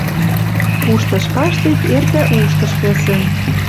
Уштыш паштек эртӓ уштыш пӹсӹн —